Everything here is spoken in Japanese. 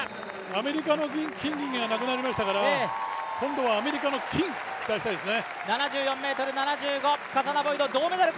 アメリカの金銀がなくなりましたから、今度はアメリカの金、期待したいですね。